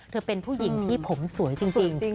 เธอเป็นผู้หญิงที่ผมสวยจริง